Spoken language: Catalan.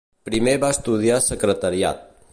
Primer va estudiar Secretariat.